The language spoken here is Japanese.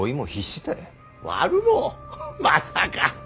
まさか。